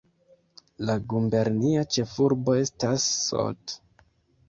La gubernia ĉefurbo estas Salt.